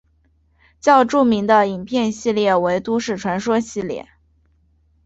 较著名的影片系列为都市传说系列。